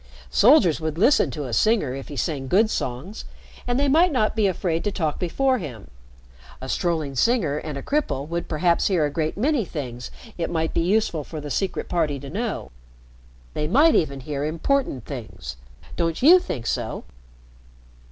"Soldiers would listen to a singer if he sang good songs and they might not be afraid to talk before him. A strolling singer and a cripple would perhaps hear a great many things it might be useful for the Secret Party to know. They might even hear important things. Don't you think so?"